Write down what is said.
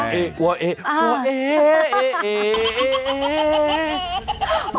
ว่าเอ๊ว่าเอ๊ให้ไท